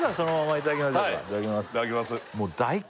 いただきます